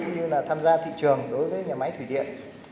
như là tham gia thị trường đối với nhà máy thủy điện